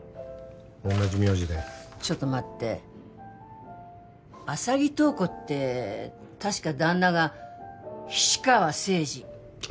同じ名字だよちょっと待って浅葱塔子って確か旦那が菱川誠二あ